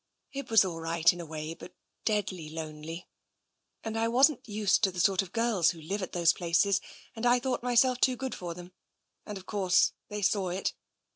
It was all right in a way, but deadly lonely. And I wasn't used to the sort of girls who live at those places, and I thought myself too good for them — and of course they saw it.